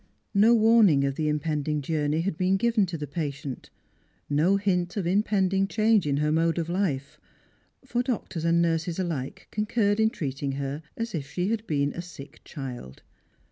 No Avarning of the impending journey had been given to the patient, no hint of impending change in her mode of life ; for doctors and nurses alike concurred in treating her as if she had been a sick child.